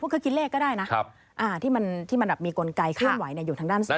ก็กินเลขก็ได้นะที่มันมีกลไกเคลื่อนไหวอยู่ทางด้านซ้าย